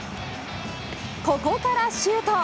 ここからシュート。